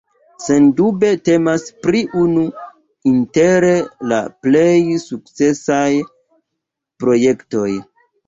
Sendube temas pri unu inter la plej sukcesaj projektoj.